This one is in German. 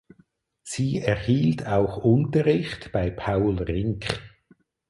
Sie erhielt auch Unterricht bei Paul Rink.